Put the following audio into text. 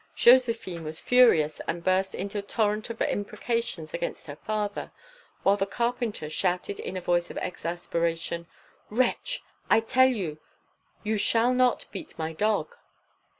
Joséphine was furious and burst into a torrent of imprecations against her father, while the carpenter shouted in a voice of exasperation: "Wretch! I tell you you shall not beat my dog."